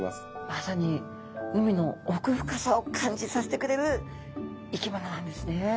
まさに海の奥深さを感じさせてくれる生き物なんですね。